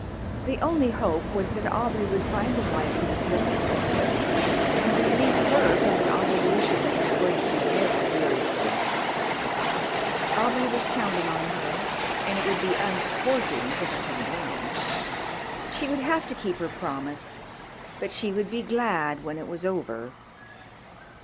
The only hope was that Aubrey would find the wife he was looking for quickly and release her from an obligation that was going to be very wearisome. Aubrey was counting on her, and it would be unsporting to let him down; she would have to keep her promise, but she would be glad when it was over.